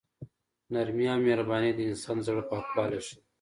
نرمي او مهرباني د انسان د زړه پاکوالی ښيي.